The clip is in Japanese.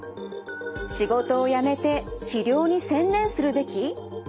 仕事を辞めて治療に専念するべき？